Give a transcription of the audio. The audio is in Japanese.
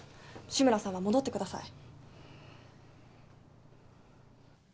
志村さんは戻ってください